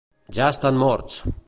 Ja estan morts!